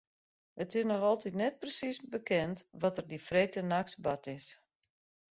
It is noch altyd net persiis bekend wat der dy freedtenachts bard is.